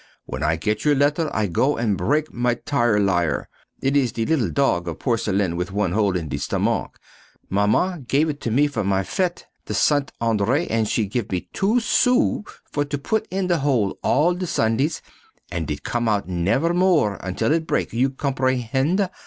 When I get your letter I go and break my tire lire. It is the little dog of porcelain with one hole in the stomach. Maman give it to me for my fete, the Ste. Andrée, and she give me two sous for put in the hole all the Sundays, and it come out nevermore until it break, you comprehend?